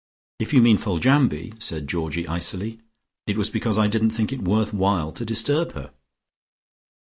"If you mean Foljambe," said Georgie icily, "it was because I didn't think it worth while to disturb her."